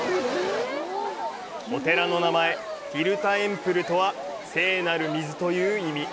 お寺の名前、ティルタエンプルとは「聖なる水」という意味。